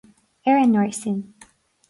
Ar an ngarsún